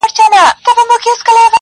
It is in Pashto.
له میاشتونو له کلونو٫